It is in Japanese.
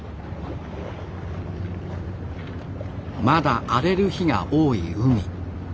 まだ荒れる日が多い海。